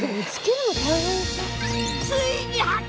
ついに発見！